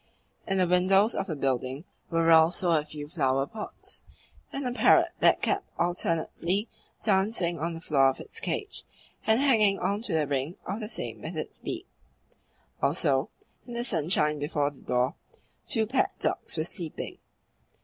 In the windows of the building were also a few flower pots and a parrot that kept alternately dancing on the floor of its cage and hanging on to the ring of the same with its beak. Also, in the sunshine before the door two pet dogs were sleeping.